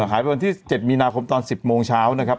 เอ่อหายไปวันที่เจ็ดมีนาคมตอนสิบโมงเช้านะครับ